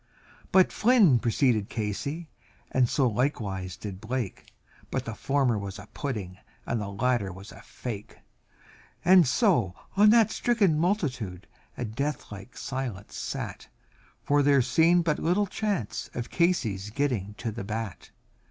But Flynn preceded Casey, and likewise so did Blake, And the former was a pudding and the latter was a fake; So on that stricken multitude a death like silence sat, For there seemed but little chance of Casey's getting to the bat.